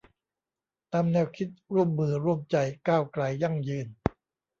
ตามแนวคิด ร่วมมือ ร่วมใจ ก้าวไกล ยั่งยืน